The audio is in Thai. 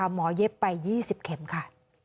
แล้วหมอยเย็บไป๒๐เข็มค่ะ